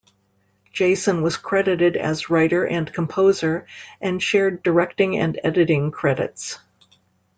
Jason was credited as writer and composer, and shared directing and editing credits.